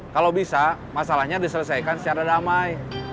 kalau bisa masalahnya diselesaikan secara damai